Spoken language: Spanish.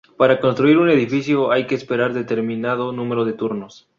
Para construir un edificio, hay que esperar determinado número de turnos.